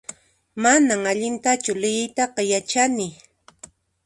Manan allintaraqchu liyiytaqa yachani